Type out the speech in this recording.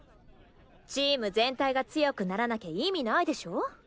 チーム全体が強くならなきゃ意味ないでしょ？